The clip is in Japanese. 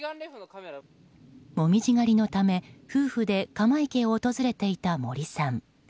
紅葉狩りのため夫婦で鎌池を訪れていた森さん。